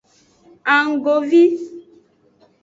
Annggovi.